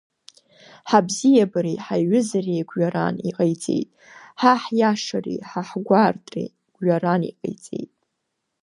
Ҳабзиабареи ҳаиҩызареи гәҩаран иҟаиҵеит, ҳа ҳиашареи ҳа ҳгәаартреи гәҩаран иҟаиҵеит…